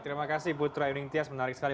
terima kasih putra yuning tias menarik sekali